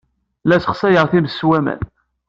La ssexsayeɣ times s waman.